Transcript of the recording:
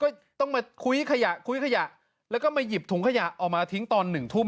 ก็ต้องมาคุ้ยขยะแล้วก็มาหยิบถุงขยะออกมาทิ้งตอน๑ทุ่ม